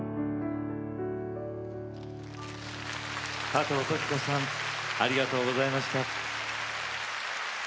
加藤登紀子さんありがとうございました。